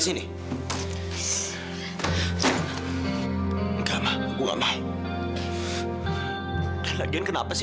sar mama juga gak tau